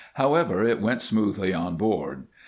However, it went smoothly on board.